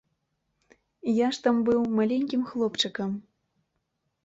Я ж там быў маленькім хлопчыкам.